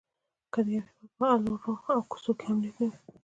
که د یوه هيواد په الرو او کوڅو کې امنيت نه وي؛